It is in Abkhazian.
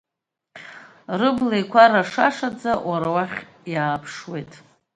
Рыбла еиқәара шашаӡа, уара уахь иааԥшуеит.